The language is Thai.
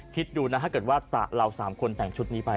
คิดดูนะถ้าเกิดว่าเรา๓คนแต่งชุดนี้ไป